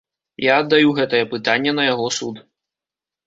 Я аддаю гэтае пытанне на яго суд.